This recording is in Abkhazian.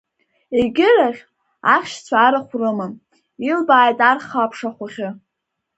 Егьирахь, ахьшьцәа арахә рыма, илбааит арха аԥшаҳәахьы.